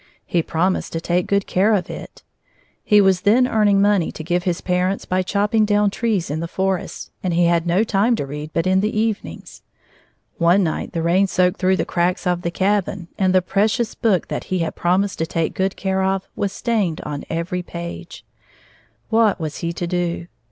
He promised to take good care of it. He was then earning money to give his parents by chopping down trees in the forests, and he had no time to read but in the evenings. One night the rain soaked through the cracks of the cabin, and the precious book that he had promised to take good care of was stained on every page. What was he to do?